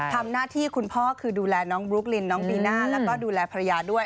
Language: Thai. ทำหน้าที่คุณพ่อคือดูแลน้องบลุ๊กลินน้องบีน่าแล้วก็ดูแลภรรยาด้วย